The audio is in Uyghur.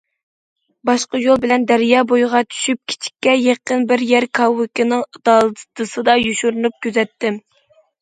باشقا يول بىلەن دەريا بويىغا چۈشۈپ، كېچىككە يېقىن بىر يەر كاۋىكىنىڭ دالدىسىدا يوشۇرۇنۇپ كۆزەتتىم.